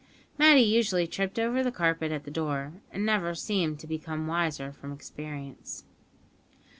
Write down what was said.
Matty usually tripped over the carpet at the door, and never seemed to become wiser from experience.